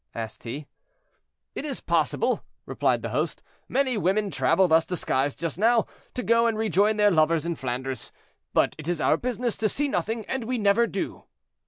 asked he. "It is possible," replied the host: "many women travel thus disguised just now, to go and rejoin their lovers in Flanders; but it is our business to see nothing, and we never do."